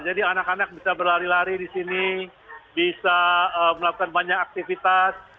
jadi anak anak bisa berlari lari di sini bisa melakukan banyak aktivitas